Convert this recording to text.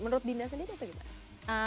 menurut dinda sendiri atau gimana